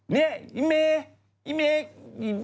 เนี่ยไอ้เมย์ไอ้เมย์